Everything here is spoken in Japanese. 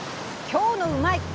今日の「うまいッ！」